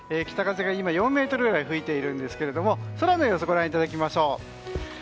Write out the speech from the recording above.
北風が今４メートルくらい吹いているんですが空の様子ご覧いただきましょう。